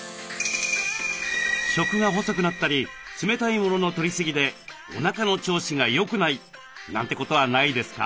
食が細くなったり冷たい物のとりすぎでおなかの調子がよくないなんてことはないですか？